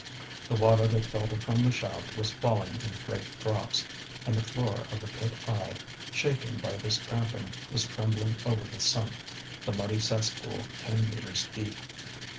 The water that filtered from the shaft was falling in great drops, and the floor of the pit eye, shaken by this tramping, was trembling over the sump, the muddy cesspool ten metres deep.